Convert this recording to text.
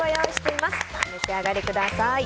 お召し上がりください。